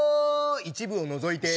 一部を除いて。